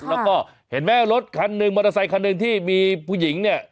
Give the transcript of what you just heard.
แล้วก็เห็นไหมรถคันหนึ่งมอเตอร์ไซคันหนึ่งที่มีผู้หญิงเนี่ย